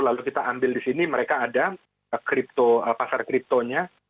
lalu kita ambil di sini mereka ada pasar kriptonya